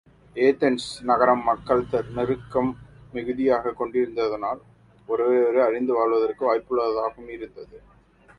Athens, நகரம், மக்கள் தெருக்கம் மிகுதியாகக் கொண்டிருந்ததனால், ஒருவரை ஒருவர் அறிந்து வாழ்வதற்கு வாய்ப்புள்ளதாகவும் இருந்தது.